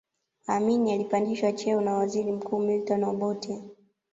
Amin alipandishwa cheo na waziri mkuu Milton Obote